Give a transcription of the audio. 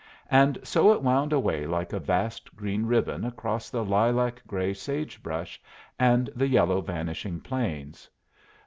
And so it wound away like a vast green ribbon across the lilac gray sage brush and the yellow, vanishing plains.